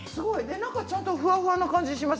何かふわふわな感じがします。